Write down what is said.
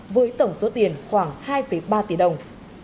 với tổng số tiền khoảng hai ba tỷ đồng